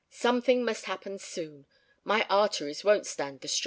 Something must happen soon. My arteries won't stand the strain."